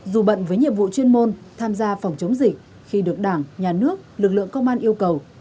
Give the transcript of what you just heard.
dù bận với nhiệm vụ chuyên môn tham gia phòng chống dịch khi được đảng nhà nước lực lượng công an yêu cầu